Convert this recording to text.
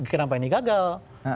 kenapa ini gagal